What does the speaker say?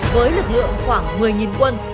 với lực lượng khoảng một mươi quân